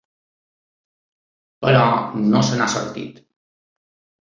Però no se n'ha sortit.